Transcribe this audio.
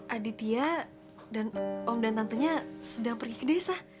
aditya dan om dan tantenya sedang pergi ke desa